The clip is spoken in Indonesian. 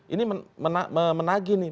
ini menagi nih